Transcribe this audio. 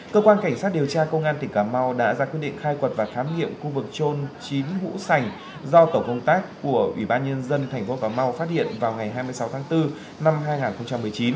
cơ quan cảnh sát điều tra công an tỉnh cà mau đã ra quyết định khai quật và khám nghiệm khu vực trôn chín ngũ sành do tổ công tác của ủy ban nhân dân tp cà mau phát hiện vào ngày hai mươi sáu tháng bốn năm hai nghìn một mươi chín